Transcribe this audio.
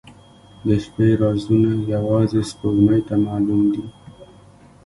• د شپې رازونه یوازې سپوږمۍ ته معلوم دي.